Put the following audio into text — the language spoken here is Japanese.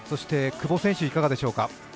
久保選手はいかがでしょうか？